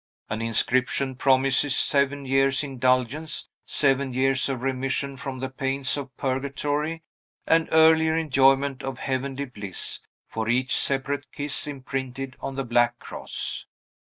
An inscription promises seven years' indulgence, seven years of remission from the pains of purgatory, and earlier enjoyment of heavenly bliss, for each separate kiss imprinted on the black cross.